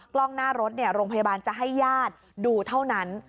กล้องหน้ารถโรงพยาบาลจะให้ญาติดูเท่านั้น